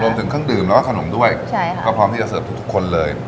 เนเด้งถึงเครื่องดื่มแล้วก็ขนมด้วยพร้อมที่จะเสิร์ฟทุกคนเลย